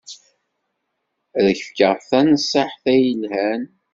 Ad ak-fkeɣ tanṣiḥt ay yelhan.